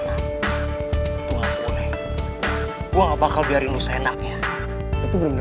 fate yang baik hebbenin aku dulu